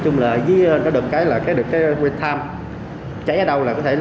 nó được cái được cái cháy ở đâu là có thể là điện điện là thấy ở đó